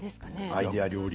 アイデア料理。